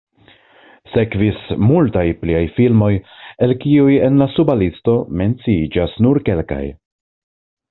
Sekvis multaj pliaj filmoj, el kiuj en la suba listo menciiĝas nur kelkaj.